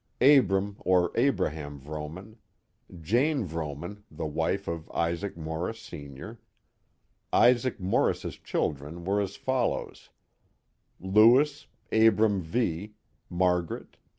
Abram or Abraham Vrooman. Jane Vrooman, the wife of Isaac Morris, Sr. Isaac Morris's children were as follows: Lewis, Abram V,, Margaret.